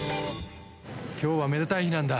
今日はめでたい日なんだ。